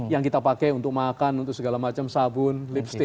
yang kita pakai untuk makan untuk segala macam sabun lipstick